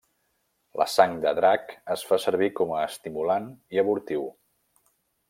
La sang de drac es fa servir com a estimulant i abortiu.